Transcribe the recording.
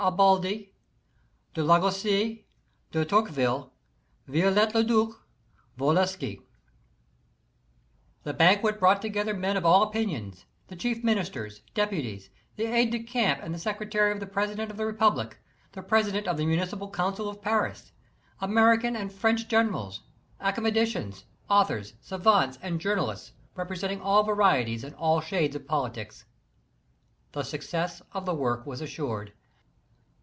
Bartholdi, de Lagorsse, de Tocque ville, VioUet Leduc, Volowski. I // That banquet brought together men of all opinions ; the chief Ministers, Deputies, the Aide de camp and the Secretary of the President of the Republic, the President of the Municipal Council of Paris, American and French Generals, Academicians, Authors, Savants and Journalists representing all varieties and all shades of politics. Tlie success of the work was assured.